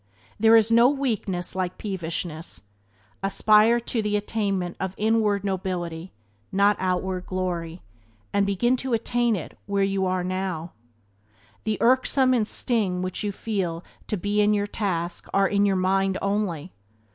There is no weakness like peevishness. Aspire to the attainment of inward nobility, not outward glory, and begin to attain it where you now are. The irksomeness and sting which you feel to be in your task are in your mind only.